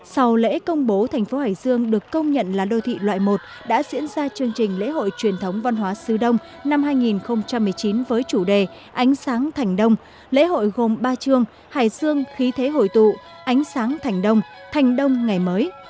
sau lễ công bố thành phố hải dương được công nhận là đô thị loại một đã diễn ra chương trình lễ hội truyền thống văn hóa xứ đông năm hai nghìn một mươi chín với chủ đề ánh sáng thành đông lễ hội gồm ba chương hải dương khí thế hội tụ ánh sáng thành đông thành đông ngày mới